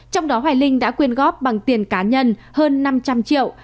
trong đó hoài linh đã quyên góp bằng tiền cá nhân hơn năm trăm linh triệu